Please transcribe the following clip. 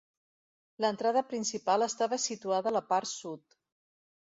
L'entrada principal estava situada a la part sud.